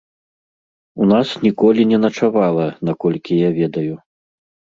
У нас ніколі не начавала, наколькі я ведаю.